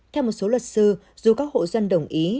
theo một số luật sư dù các hộ dân đồng ý